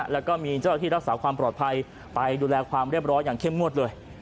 แล้วก็มีเจ้าที่รักษาความปลอดภัยไปดูแลความเรียบร้อยอย่างเข้มงวดเลย